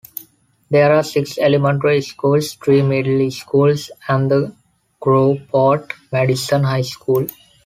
There are six elementary schools, three middle schools, and the Groveport Madison High School.